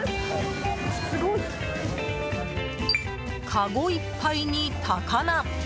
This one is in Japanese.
かごいっぱいに高菜。